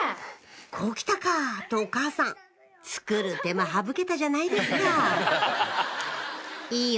こう来たか！とお母さん作る手間省けたじゃないですか「いいよ！